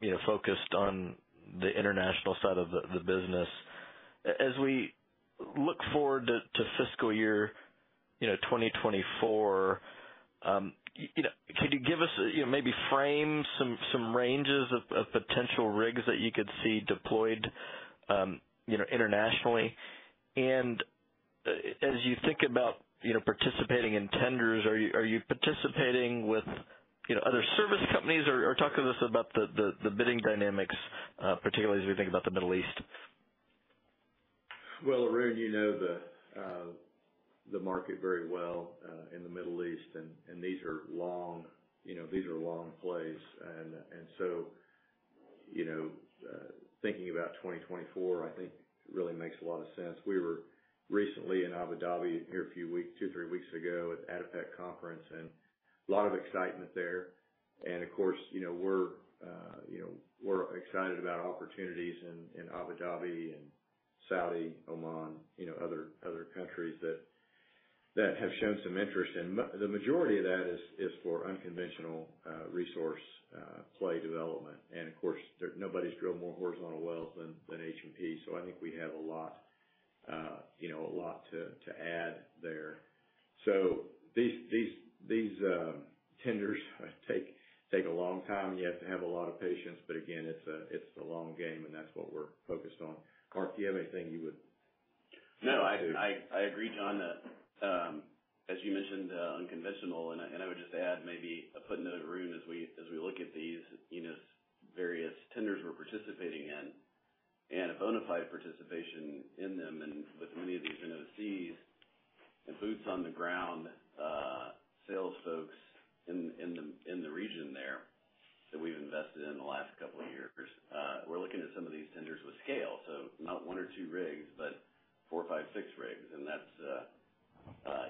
you know, focused on the international side of the business. As we look forward to fiscal year, you know, 2024, you know, could you give us, you know, maybe frame some ranges of potential rigs that you could see deployed, you know, internationally? As you think about, you know, participating in tenders, are you participating with, you know, other service companies? Talk to us about the bidding dynamics, particularly as we think about the Middle East. Well, Arun, you know the market very well in the Middle East, and these are long, you know, long plays. Thinking about 2024, I think really makes a lot of sense. We were recently in Abu Dhabi, here a few weeks, two, three weeks ago at ADIPEC conference, and a lot of excitement there. Of course, you know, we're excited about opportunities in Abu Dhabi and Saudi, Oman, you know, other countries that have shown some interest. The majority of that is for unconventional resource play development. Of course, there nobody's drilled more horizontal wells than H&P, so I think we have a lot, you know, a lot to add there. These tenders take a long time. You have to have a lot of patience. Again, it's a long game, and that's what we're focused on. Mark, do you have anything you would like to? No, I agree, John. As you mentioned, unconventional. I would just add maybe a footnote, Arun. As we look at these, you know. Various tenders we're participating in, and a bona fide participation in them and with many of these NOCs and boots on the ground, sales folks in the region there that we've invested in the last couple of years, we're looking at some of these tenders with scale, so not one or two rigs, but four or five, six rigs, and that's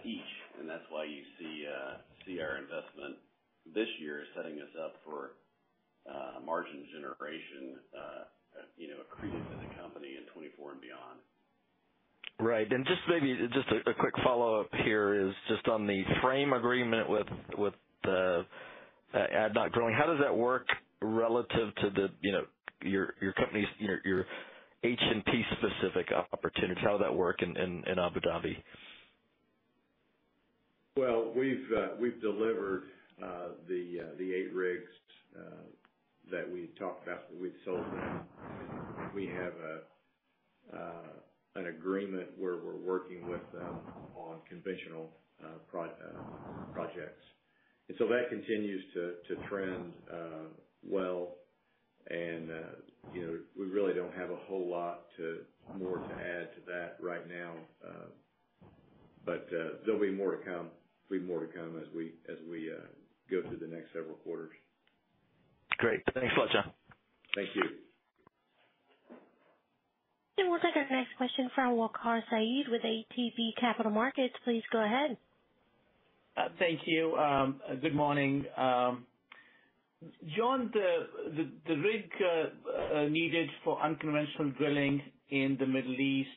each. That's why you see our investment this year setting us up for margin generation, you know, accretive to the company in 2024 and beyond. Right. And just maybe just a quick follow-up here is just on the frame agreement with the, uh, ADNOC Drilling. How does that work relative to the, you know, your company's, your H&P specific opportunities? How does that work in, in Abu Dhabi? Well, we've delivered the eight rigs that we talked about, that we've sold now. We have an agreement where we're working with them on conventional projects. That continues to trend well. You know, we really don't have a whole lot more to add to that right now. There'll be more to come as we go through the next several quarters. Great. Thanks a lot, John. Thank you. We'll take our next question from Waqar Syed with ATB Capital Markets. Please go ahead. Thank you. Good morning. John, the rig needed for unconventional drilling in the Middle East,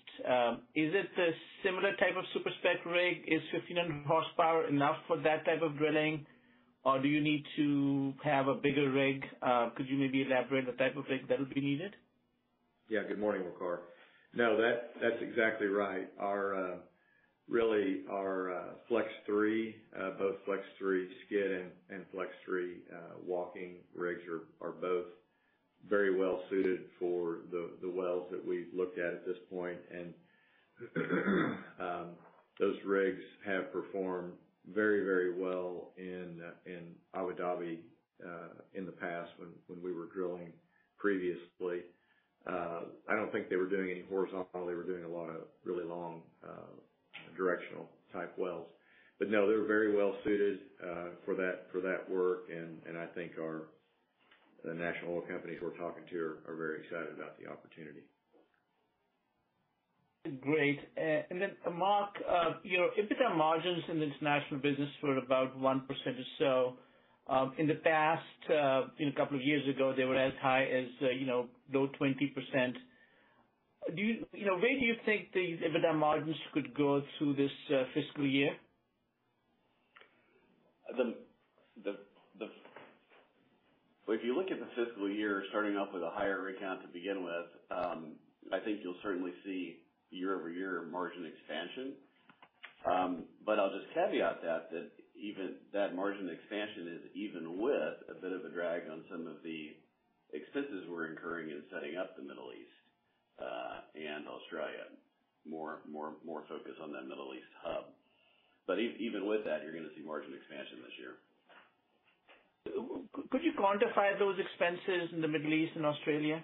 is it a similar type of super-spec rig? Is 1,500 hp enough for that type of drilling, or do you need to have a bigger rig? Could you maybe elaborate the type of rig that will be needed? Yeah. Good morning, Waqar. No, that's exactly right. Really our Flex3, both Flex3 Skid and Flex3 Walking rigs are both very well suited for the wells that we've looked at at this point. Those rigs have performed very, very well in Abu Dhabi in the past when we were drilling previously. I don't think they were doing any horizontal. They were doing a lot of really long, directional type wells. No, they're very well suited for that work. I think the National Oil Companies we're talking to are very excited about the opportunity. Great. Mark, you know, EBITDA margins in the international business were about 1% or so. In the past, you know, a couple of years ago, they were as high as, you know, low 20%. You know, where do you think these EBITDA margins could go through this fiscal year? Well, if you look at the fiscal year, starting off with a higher rig count to begin with, I think you'll certainly see year-over-year margin expansion. I'll just caveat that even that margin expansion is even with a bit of a drag on some of the expenses we're incurring in setting up the Middle East and Australia. More focus on that Middle East hub. Even with that, you're gonna see margin expansion this year. Could you quantify those expenses in the Middle East and Australia?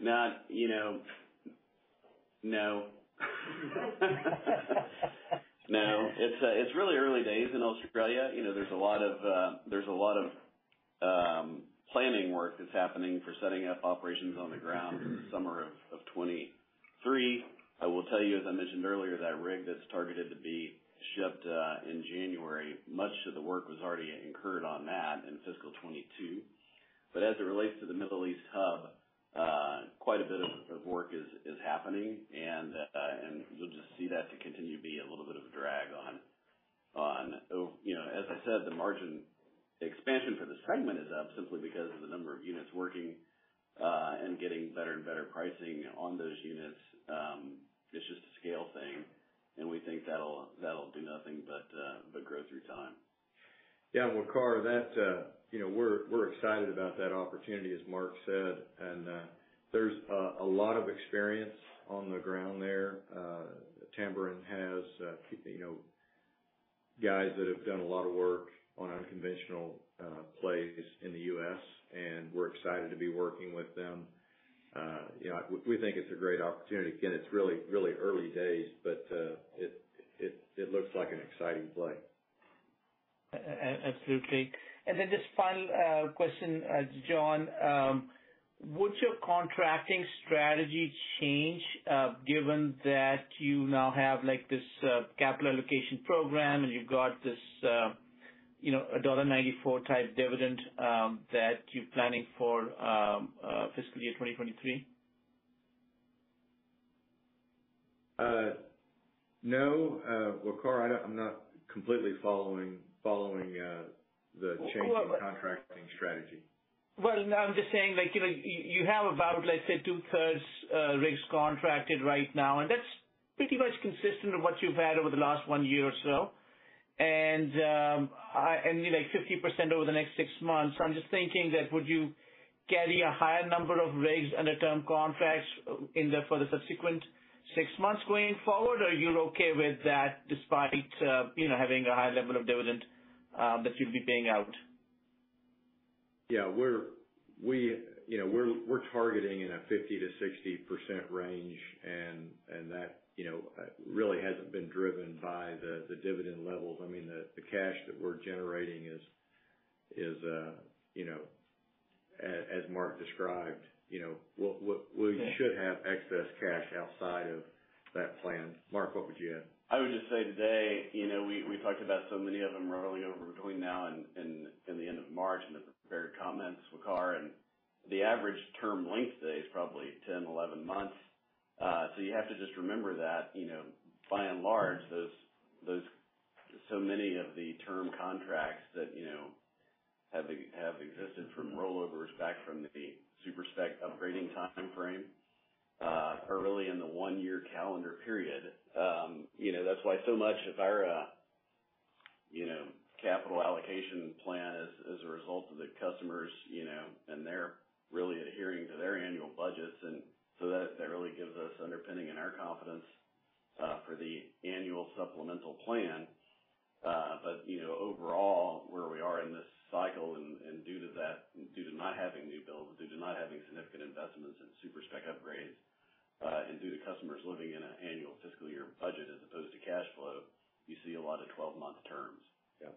Not, you know, no. It's really early days in Australia. You know, there's a lot of planning work that's happening for setting up operations on the ground in the summer of 2023. I will tell you, as I mentioned earlier, that rig that's targeted to be shipped in January, much of the work was already incurred on that in fiscal 2022. As it relates to the Middle East hub, quite a bit of work is happening. You'll just see that to continue to be a little bit of a drag on. You know, as I said, the margin expansion for the segment is up simply because of the number of units working and getting better and better pricing on those units. It's just a scale thing, and we think that'll do nothing but grow through time. Yeah. Waqar, you know, we're excited about that opportunity, as Mark said. There's a lot of experience on the ground there. Tamboran has, you know, guys that have done a lot of work on unconventional plays in the U.S., and we're excited to be working with them. You know, we think it's a great opportunity. Again, it's really early days. It looks like an exciting play. Absolutely. Just final question, John. Would your contracting strategy change given that you now have, like, this capital allocation program and you've got this, you know, $1.94 type dividend that you're planning for fiscal year 2023? No, Waqar, I'm not completely following the change in the contracting strategy. Well, no, I'm just saying, like, you know, you have about, let's say, 2/3 rigs contracted right now, and that's pretty much consistent of what you've had over the last one year or so. You need, like, 50% over the next six months. I'm just thinking, would you carry a higher number of rigs under term contracts for the subsequent six months going forward, or you're okay with that despite, you know, having a high level of dividend that you'll be paying out? Yeah, you know, we're targeting in a 50%-60% range, and that, you know, really hasn't been driven by the dividend levels. I mean, the cash that we're generating is, you know, as Mark described. Okay. We should have excess cash outside of that plan. Mark, what would you add? I would just say today, you know, we talked about so many of them rolling over between now and the end of March in the prepared comments, Waqar, and the average term length today is probably 10-11 months. You have to just remember that, you know, by and large, those so many of the term contracts that, you know, have existed from rollovers back from the super-spec upgrading timeframe are really in the one-year calendar period. You know, that's why so much of our, you know, capital allocation plan is a result of the customers, you know, and their really adhering to their annual budgets. That really gives us underpinning in our confidence for the annual supplemental plan. You know, overall, where we are in this cycle and due to that, due to not having new builds, due to not having significant investments in super-spec upgrades, and due to customers living in an annual fiscal year budget as opposed to cash flow, you see a lot of 12-month terms. Yeah.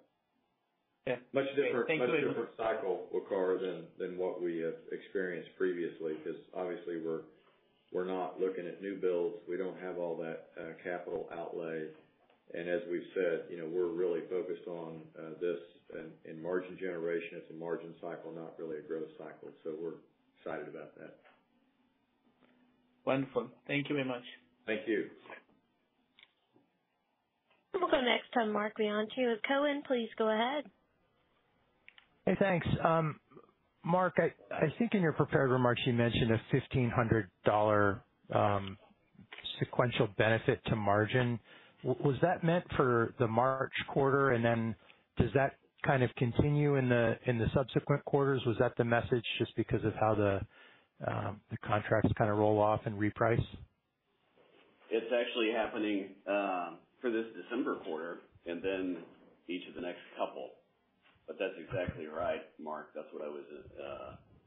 Yeah. Thank you. Much different cycle, Waqar, than what we have experienced previously, because obviously we're not looking at new builds. We don't have all that capital outlay. As we've said, you know, we're really focused on this and margin generation. It's a margin cycle, not really a growth cycle. We're excited about that. Wonderful. Thank you very much. Thank you. Yeah. We'll go next to Marc Bianchi with Cowen. Please go ahead. Hey, thanks. Mark, I think in your prepared remarks, you mentioned a $1,500 sequential benefit to margin. Was that meant for the March quarter? Does that kind of continue in the subsequent quarters? Was that the message just because of how the contracts kind of roll off and reprice? It's actually happening for this December quarter and then each of the next couple. That's exactly right, Marc. That's what I was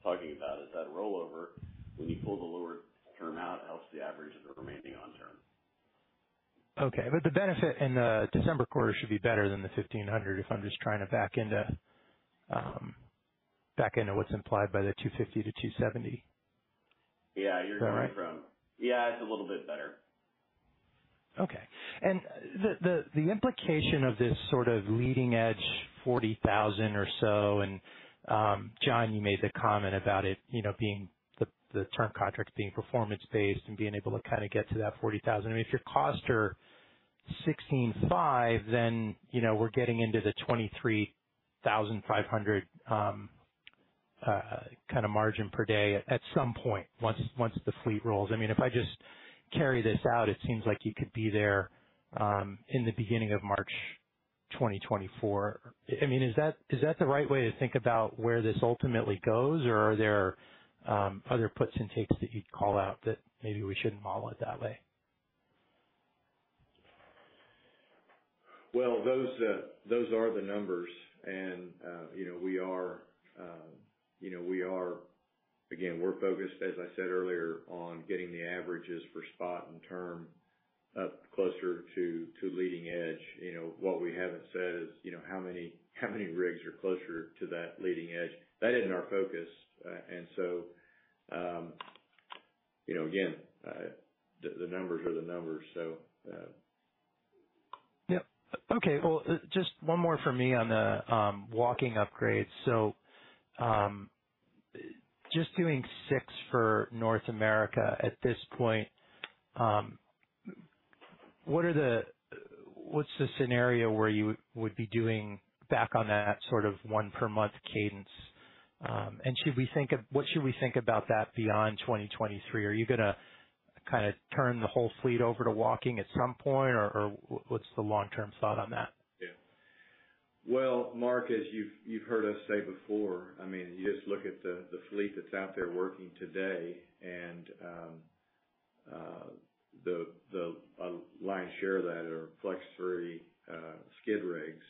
talking about is that rollover. When you pull the lower term out, it helps the average of the remaining on term. Okay. The benefit in the December quarter should be better than the $1,500, if I'm just trying to back into what's implied by the $250-$270. Yeah. Is that right? Yeah. It's a little bit better. Okay. The implication of this sort of leading edge $40,000 or so, and John, you made the comment about it, you know, being the term contract being performance-based and being able to kind of get to that $40,000. I mean, if your costs are $16,500, then, you know, we're getting into the $23,500 kind of margin per day at some point, once the fleet rolls. I mean, if I just carry this out, it seems like you could be there in the beginning of March 2024. I mean, is that the right way to think about where this ultimately goes, or are there other puts and takes that you'd call out that maybe we shouldn't model it that way? Well, those are the numbers. You know, again, we're focused, as I said earlier, on getting the averages for spot and term up closer to leading edge. You know, what we haven't said is, you know, how many rigs are closer to that leading edge. That isn't our focus. You know, again, the numbers are the numbers. Yep. Okay. Well, just one more for me on the walking upgrades. Just doing six for North America at this point, what's the scenario where you would be going back on that sort of one per month cadence? What should we think about that beyond 2023? Are you gonna kinda turn the whole fleet over to walking at some point? What's the long-term thought on that? Yeah. Well, Marc, as you've heard us say before, I mean, you just look at the fleet that's out there working today. The lion's share of that are FlexRig3 skid rigs.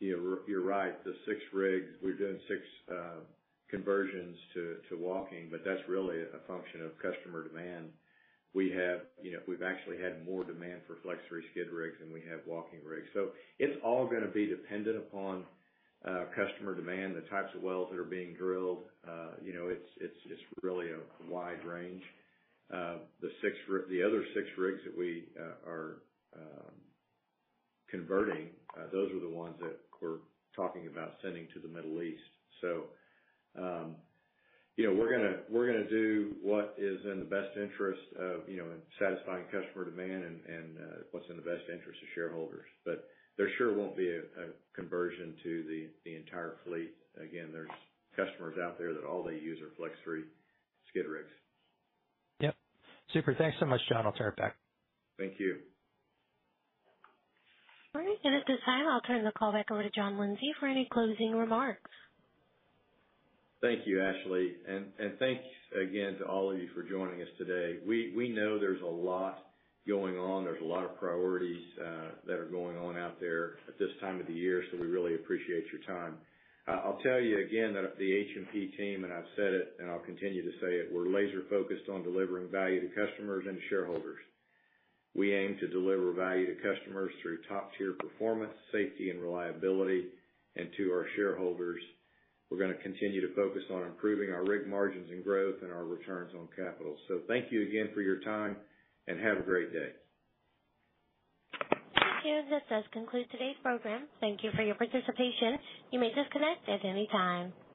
You know, you're right, the six rigs, we've done six conversions to walking, but that's really a function of customer demand. You know, we've actually had more demand for FlexRig3 skid rigs than we have walking rigs. It's all gonna be dependent upon customer demand, the types of wells that are being drilled. You know, it's really a wide range. The other six rigs that we are converting, those are the ones that we're talking about sending to the Middle East. You know, we're gonna do what is in the best interest of, you know, in satisfying customer demand and what's in the best interest of shareholders. There sure won't be a conversion to the entire fleet. Again, there's customers out there that all they use are FlexRig3 skid rigs. Yep. Super. Thanks so much, John. I'll turn it back. Thank you. All right. At this time, I'll turn the call back over to John Lindsay for any closing remarks. Thank you, Ashley. Thanks again to all of you for joining us today. We know there's a lot going on, there's a lot of priorities that are going on out there at this time of the year, so we really appreciate your time. I'll tell you again that the H&P team, and I've said it and I'll continue to say it, we're laser-focused on delivering value to customers and shareholders. We aim to deliver value to customers through top-tier performance, safety and reliability. To our shareholders, we're gonna continue to focus on improving our rig margins and growth and our returns on capital. Thank you again for your time, and have a great day. Thank you. This does conclude today's program. Thank you for your participation. You may disconnect at any time.